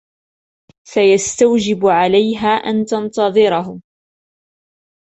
سيستوجب عليها أن تنتظره.